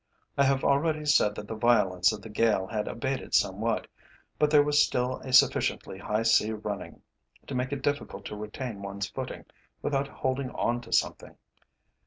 I have already said that the violence of the gale had abated somewhat, but there was still a sufficiently high sea running, to make it difficult to retain one's footing without holding on to something.